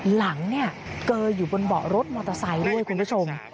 หลังเนี่ยเกออยู่บนเบาะรถมอเตอร์ไซค์ด้วยคุณผู้ชม